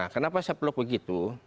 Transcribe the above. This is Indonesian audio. kenapa saya peluk begitu